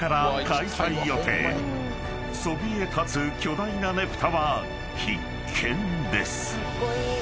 ［そびえ立つ巨大なねぷたは必見です］